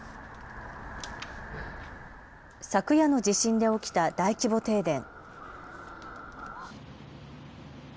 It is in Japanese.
昨夜の地震で起きた大規模停電。